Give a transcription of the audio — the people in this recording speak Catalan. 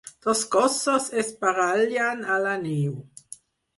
Dos gossos es barallen a la neu.